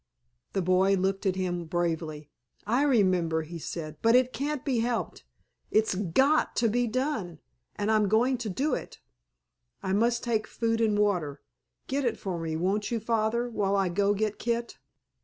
The boy looked at him bravely. "I remember," he said. "But it can't be helped. It's got to be done—and I'm going to do it. I must take food and water. Get it for me, won't you, Father, while I go get Kit?"